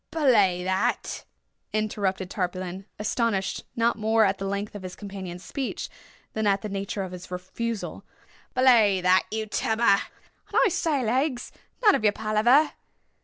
'" "Belay that!" interrupted Tarpaulin, astonished not more at the length of his companion's speech than at the nature of his refusal—"Belay that you lubber!—and I say, Legs, none of your palaver!